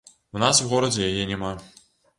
У нас у горадзе яе няма.